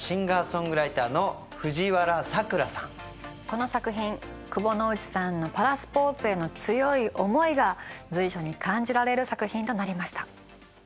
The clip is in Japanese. この作品窪之内さんのパラスポーツへの強い思いが随所に感じられる作品となりました。